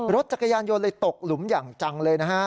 รถจักรยานยนต์เลยตกหลุมอย่างจังเลยนะฮะ